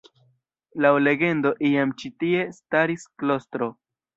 Laŭ legendo iam ĉi tie staris klostro.